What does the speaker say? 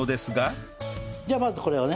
じゃあまずこれをね。